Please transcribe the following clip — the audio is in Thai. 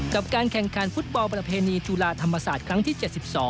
กับการแข่งขันฟุตบอลประเพณีจุฬาธรรมศาสตร์ครั้งที่๗๒